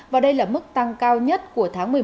và đây là mức tăng cao nhất của tháng một mươi một